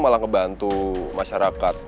malah ngebantu masyarakat